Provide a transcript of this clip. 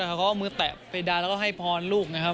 มก็เอามือแตะในด้านแล้วก็ให้พอนลูก